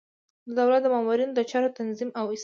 د دولت د مامورینو د چارو تنظیم او اصلاح.